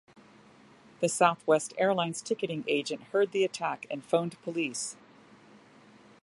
The Southwest Airlines ticketing agent heard the attack and phoned police.